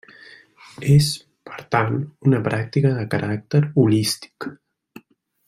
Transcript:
És, per tant, una pràctica de caràcter holístic.